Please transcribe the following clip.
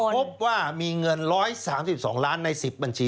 พบว่ามีเงิน๑๓๒ล้านใน๑๐บัญชี